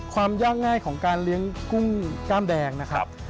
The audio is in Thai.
ความยากง่ายของการเลี้ยงกุ้งกล้ามแดงนะครับ